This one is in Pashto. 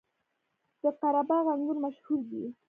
د قره باغ انګور مشهور دي